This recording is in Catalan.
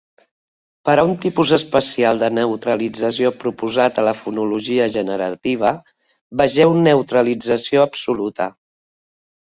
Per a un tipus especial de neutralització proposat a la fonologia generativa, vegeu neutralització absoluta.